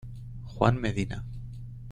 Juan Medina.